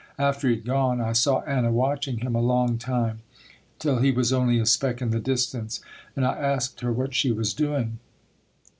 After he had gone I saw Anna watching him a long time till he was only a speck in the distance and I asked her what she was doing.